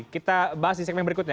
kita bahas di segmen berikutnya